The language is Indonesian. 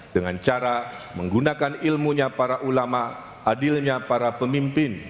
dengan cara menggunakan ilmunya para ulama adilnya para pemimpin